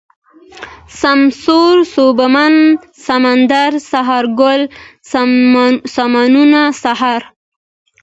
سمسور ، سوبمن ، سمندر ، سهارگل ، سمون ، سحر